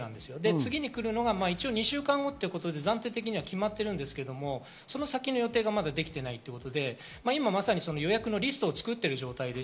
次にくるのは２週間後になって暫定的に決まってるんですが、その先の予定はまだできていないということで、今まさに予約のリスト作っている状態。